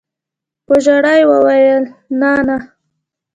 په ژړا يې وويل نانىه.